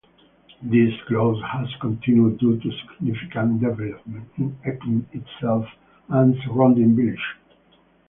This growth has continued due to significant development in Epping itself and surrounding villages.